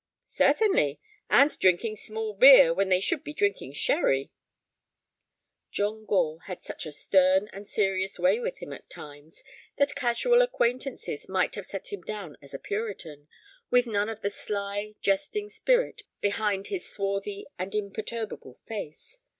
"Certainly. And drinking small beer when they should be drinking sherry." John Gore had such a stern and serious way with him at times that casual acquaintances might have set him down as a Puritan, with none of the sly, jesting spirit behind his swarthy and imperturbable face.